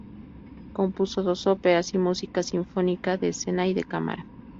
Compuso dos óperas y música sinfónica, de escena y de cámara.